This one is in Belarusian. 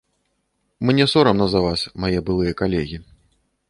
Мне сорамна за вас, мае былыя калегі.